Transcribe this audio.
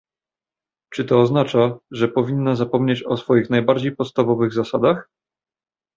Czy to oznacza, że powinna zapomnieć o swoich najbardziej podstawowych zasadach?